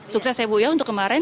sukses ya bu ya untuk kemarin